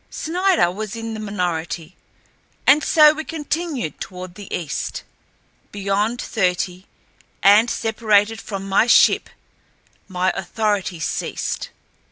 Snider was in the minority, and so we continued toward the east. Beyond thirty, and separated from my ship, my authority ceased.